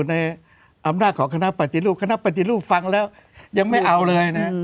ในอำนาจของคณะปฏิรูปคณะปฏิรูปฟังแล้วยังไม่เอาเลยนะ